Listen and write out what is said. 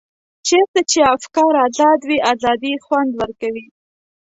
چېرته چې افکار ازاد وي ازادي خوند ورکوي.